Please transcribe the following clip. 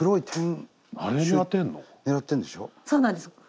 そうなんです。